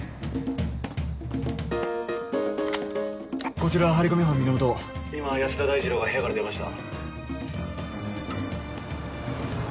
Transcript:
こちら張り込み班源今安田大二郎が部屋から出ました。